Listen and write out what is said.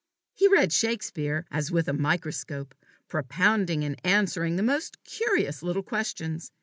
He read Shakespeare as with a microscope, propounding and answering the most curious little questions.